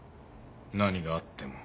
何があっても。